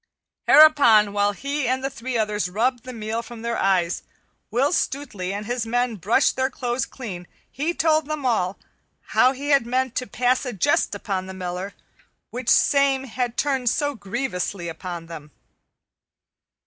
Hereupon, while he and the three others rubbed the meal from their eyes, and Will Stutely and his men brushed their clothes clean, he told them all; how that he had meant to pass a jest upon the Miller, which same had turned so grievously upon them.